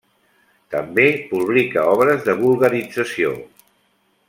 També publica obres de vulgarització.